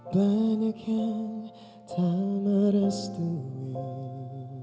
banyak yang tak meras dengan